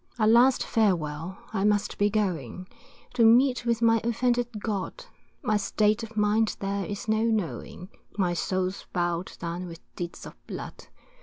A last farewell, I must be going, To meet with my offended God, My state of mind there is no knowing, My soul's bow'd down with deeds of blood.